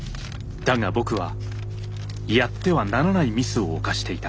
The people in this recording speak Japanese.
だが僕はやってはならないミスを犯していた。